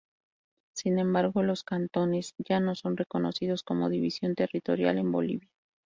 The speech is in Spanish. Sin embargo, los cantones ya no son reconocidos como división territorial en Bolivia.